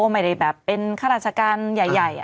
ไม่ได้แบบเป็นข้าราชการใหญ่